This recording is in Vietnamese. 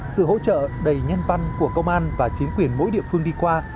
sự hỗ trợ đầy nhân văn của công an và chính quyền mỗi địa phương đi qua